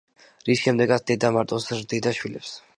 რის შემდეგაც დედა მარტო ზრდიდა შვილებს.